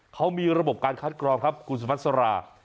เขามีระบบการคัดกรองครับคุณสุพัสรา